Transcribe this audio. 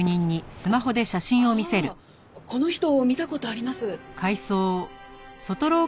ああこの人見た事あります。